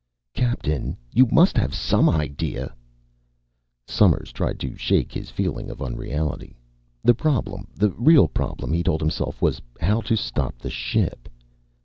"Captain! You must have some idea!" Somers tried to shake his feeling of unreality. The problem, the real problem, he told himself, was how to stop the ship.